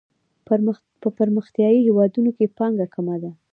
په پرمختیايي هیوادونو کې پانګه کمه ده.